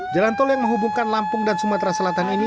jalan tol yang menghubungkan lampung dan sumatera selatan ini